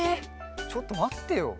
ちょっとまってよ。